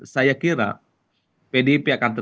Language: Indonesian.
saya kira pdip akan tetap